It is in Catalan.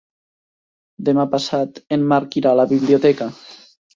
Demà passat en Marc irà a la biblioteca.